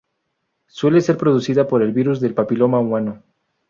Suele ser producida por el virus del papiloma humano.